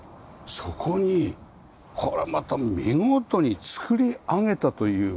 そこにこれまた見事に作り上げたというか。